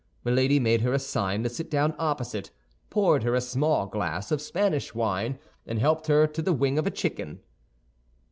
Milady made her a sign to sit down opposite, poured her a small glass of Spanish wine, and helped her to the wing of a chicken.